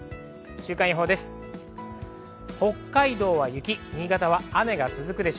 週間予報です。